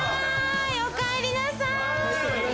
おかえりなさい！